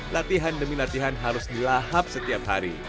latihan demi latihan harus dilahap setiap hari